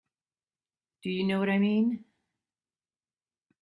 Do you know what I mean?